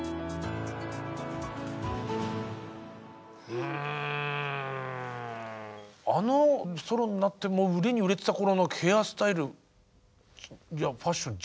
うんあのソロになってもう売れに売れてた頃のヘアスタイルやファッション